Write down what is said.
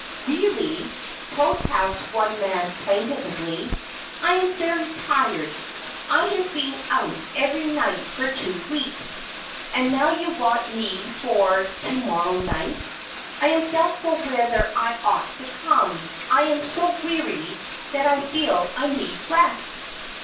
"Really," protests one man plaintively, "I am very tired! I have been out every night for two weeks, and now you want me for to morrow night. I am doubtful whether I ought to come. I am so weary that I feel I need rest."